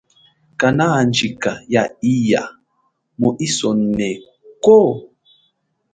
Kanahandjika ya iya mu isoneko?